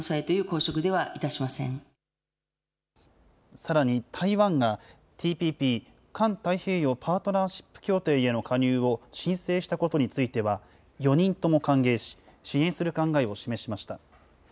さらに、台湾が、ＴＰＰ・環太平洋パートナーシップ協定への加入を申請したことについては、４人とも歓迎し、支援する考えを示しました。